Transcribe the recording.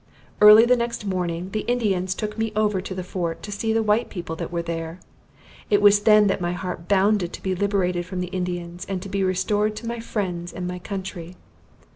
Early the next morning the Indians took me over to the fort to see the white people that were there. It was then that my heart bounded to be liberated from the Indians and to be restored to my friends and my country.